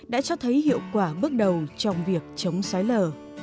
đã cho thấy hiệu quả bước đầu trong việc chống xói lở